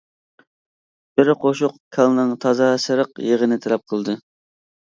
بىر قوشۇق كالىنىڭ تازا سېرىق يېغىنى تەلەپ قىلدى.